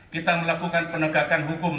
kita melakukan penegakan hukum